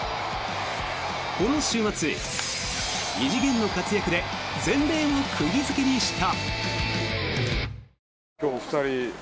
この週末、異次元の活躍で全米を釘付けにした。